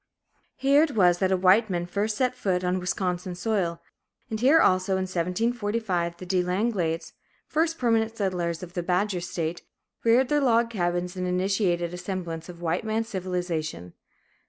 Here it was that a white man first set foot on Wisconsin soil; and here, also, in 1745, the De Langlades, first permanent settlers of the Badger State, reared their log cabins and initiated a semblance of white man's civilization.